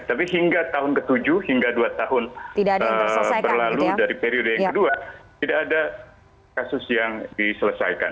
tapi hingga tahun ke tujuh hingga dua tahun berlalu dari periode yang kedua tidak ada kasus yang diselesaikan